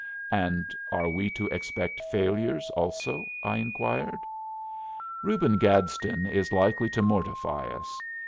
"And are we to expect failures also?" I inquired. "Reuben Gadsden is likely to mortify us.